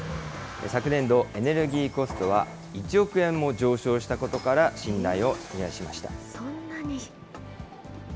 昨年度、エネルギーコストは１億円も上昇したことから診断を依頼しました。